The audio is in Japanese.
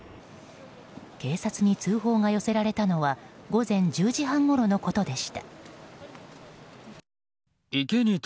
警察に通報が寄せられたのは午前１０時半ごろのことでした。